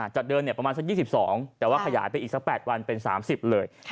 จากเดิมประมาณสัก๒๒แต่ว่าขยายไปอีกสัก๘วันเป็น๓๐เลย